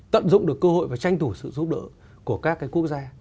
tận dụng được cơ hội và tranh thủ sự giúp đỡ của các quốc gia